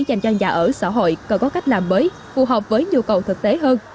dành cho nhà ở xã hội cần có cách làm mới phù hợp với nhu cầu thực tế hơn